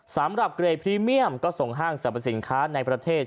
สำหรับเกรดพรีเมียมก็ส่งห้างสรรพสินค้าในประเทศ